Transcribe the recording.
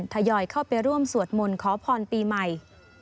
ทยอยเข้าไปร่วมสวดมนต์ขอพรปีใหม่